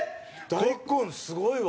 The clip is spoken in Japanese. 大根すごいわ。